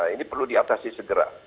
ini perlu diatasi segera